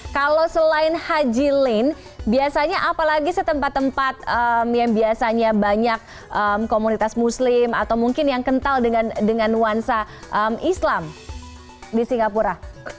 kalau selain haji line biasanya apalagi setempat tempat yang biasanya banyak komunitas muslim atau mungkin yang kental dengan nuansa islam di singapura